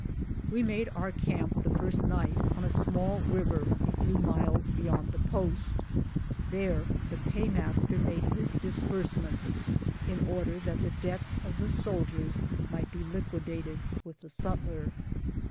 We made our camp the first night on a small river a few miles bej ond the post. There the paymaster made his disbursements, in order that the debts of the soldiers might be liquidated with the sutler.